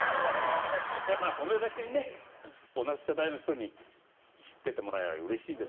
まあこれだけね同じ世代の人に知っててもらえれば嬉しいです。